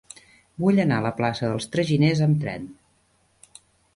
Vull anar a la plaça dels Traginers amb tren.